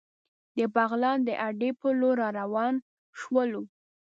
د بغلان د اډې په لور را روان شولو.